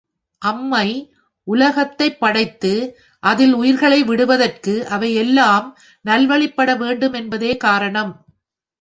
அம்மை உலகத்தைப் படைத்து அதில் உயிர்களை விடுவதற்கு, அவை எல்லாம் நல்வழிப்பட வேண்டுமென்பதே காரணம்.